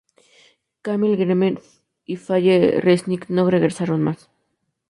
Camille Grammer y Faye Resnick no regresaron más.